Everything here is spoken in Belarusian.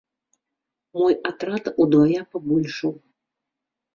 Мой атрад удвая пабольшаў.